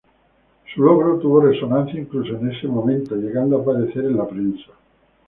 Su logro tuvo resonancia incluso en ese momento, llegando a aparecer en la prensa.